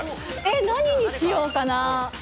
えっ、何にしようかな。